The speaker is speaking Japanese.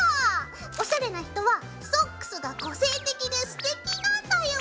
おしゃれな人はソックスが個性的でステキなんだよ。